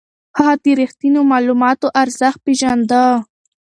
هغه د رښتينو معلوماتو ارزښت پېژانده.